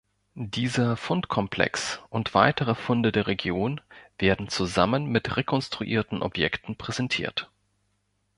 Dieser Fundkomplex und weitere Funde der Region werden zusammen mit rekonstruierten Objekten präsentiert.